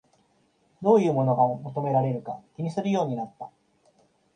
どういうものが求められるか気にするようになった